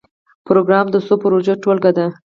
پروګرام د څو پروژو ټولګه ده